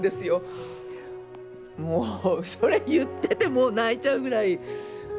もうそれ言ってても泣いちゃうぐらい。